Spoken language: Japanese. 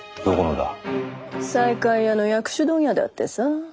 西海屋の薬種問屋だってさ。